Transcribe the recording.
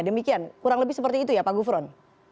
demikian kurang lebih seperti itu ya pak gufron